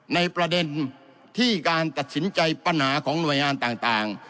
ในประเด็นที่การตัดสินใจปัญหาของหน่วยงานต่าง